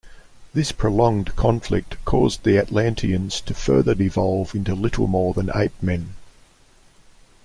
This prolonged conflict caused the Atlanteans to further devolve into little more than ape-men.